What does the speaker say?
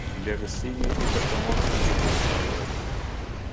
Vlerësimi i performancës së gjyqtarëve.